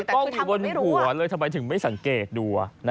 กล้องอยู่บนหัวเลยทำไมถึงไม่สังเกตดู